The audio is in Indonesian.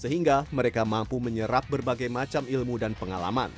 sehingga mereka mampu menyerap berbagai macam ilmu dan pengalaman